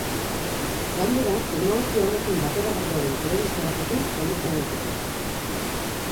Gainera teknologia honekin bateragarria den telebista batekin konekta daiteke.